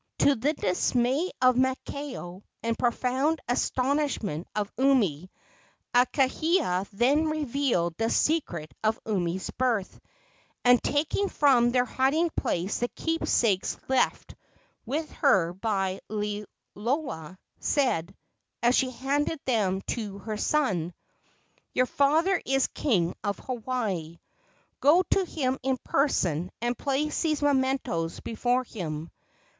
To the dismay of Maakao and profound astonishment of Umi, Akahia then revealed the secret of Umi's birth, and, taking from their hiding place the keepsakes left with her by Liloa, said, as she handed them to her son: "Your father is king of Hawaii. Go to him in person and place these mementoes before him.